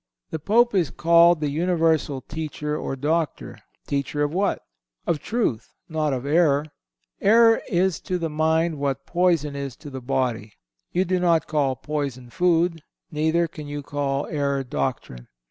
The Pope is called the universal teacher or doctor. Teacher of what? Of truth, not of error. Error is to the mind what poison is to the body. You do not call poison food; neither can you call error doctrine.